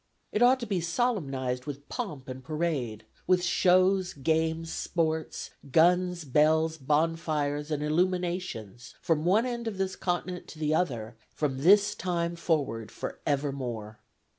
It ought to be solemnized with pomp and parade, with shows, games, sports, guns, bells, bonfires, and illuminations, from one end of this continent to the other, from this time forward forevermore.